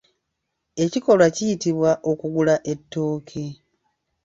Ekikolwa kiyitibwa okugula ettooke.